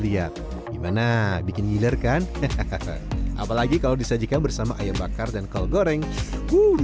lihat gimana bikin gilir kan apalagi kalau disajikan bersama ayam bakar dan kol goreng uh